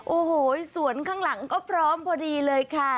โอ้โหสวนข้างหลังก็พร้อมพอดีเลยค่ะ